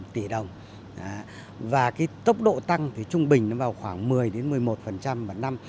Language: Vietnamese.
tỷ đồng và tốc độ tăng trung bình vào khoảng một mươi một mươi một vào năm